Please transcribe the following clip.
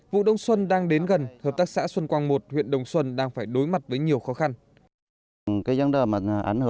vụ đông xuân đang đến gần hợp tác xã xuân quang một huyện đồng xuân đang phải đối mặt với nhiều khó khăn